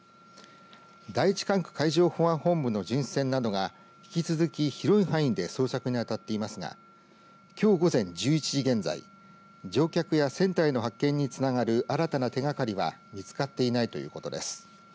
第１管区海上保安本部の巡視船などが引き続き、広い範囲で捜索にあたっていますがきょう午前１１時現在乗客や船体の発見につながる新たな手がかりは見つかっていないということです。